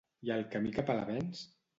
I el camí cap a l'avenç?